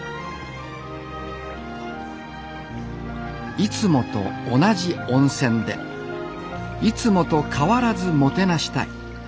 いつもと同じ温泉でいつもと変わらずもてなしたい。